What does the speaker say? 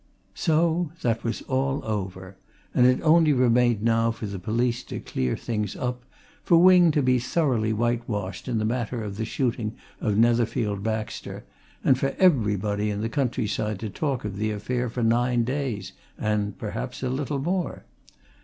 So that was all over, and it only remained now for the police to clear things up, for Wing to be thoroughly whitewashed in the matter of the shooting of Netherfield Baxter, and for everybody in the countryside to talk of the affair for nine days and perhaps a little more.